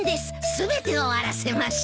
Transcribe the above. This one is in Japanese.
全て終わらせました。